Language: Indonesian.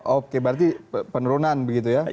oke berarti penurunan begitu ya